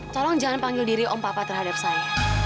tolong jangan panggil diri om papa terhadap saya